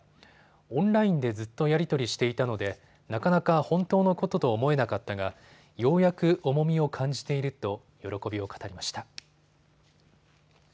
オンラインでずっとやり取りしていたのでなかなか本当のことと思えなかったがようやく重みを感じていると喜びを語りました。